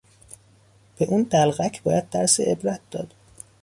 به اون دلقک باید درس عبرت داد.